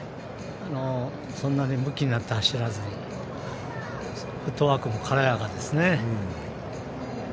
そんなに、むきになって走らずにフットワークも軽やかですね。